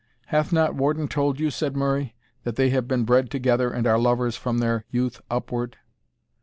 "Hath not Warden told you," said Murray, "that they have been bred together, and are lovers from their youth upward?"